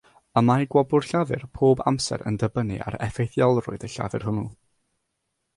Y mae gwobr llafur bob amser yn dibynnu ar effeithiolrwydd y llafur hwnnw.